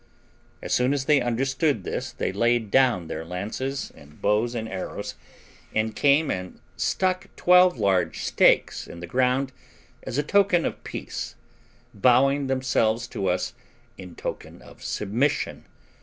As soon as they understood this they laid down their lances, and bows and arrows, and came and stuck twelve large stakes in the ground as a token of peace, bowing themselves to us in token of submission.